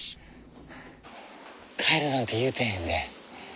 帰るなんて言うてへんで。